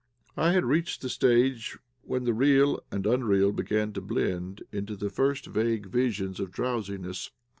I had reached the stage when the real and unreal begin to blend into the first vague visions of drowsiness.